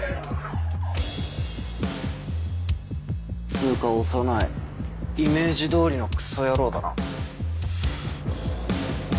つうか長内イメージどおりのクソ野郎だな。